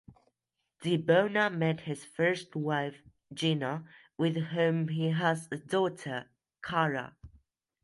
Di Bona met his first wife, Gina, with whom he has a daughter, Cara.